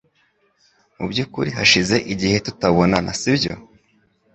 Mu byukuri hashize igihe tutabonana, sibyo?